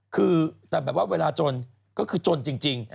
คือแต่แบบว่าเวลาจนก็คือจนจริง